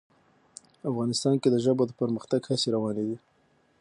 افغانستان کې د ژبو د پرمختګ هڅې روانې دي.